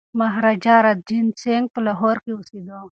مهاراجا رنجیت سنګ په لاهور کي اوسېده.